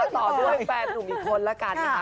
ต่อด้วยแฟนหนุ่มอีกคนแล้วกันนะคะ